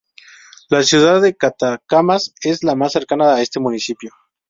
La ciudad de Catacamas es la más cercana a este municipio.